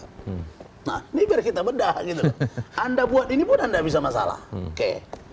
nah ini biar kita bedah gitu loh anda buat ini pun anda bisa masalah oke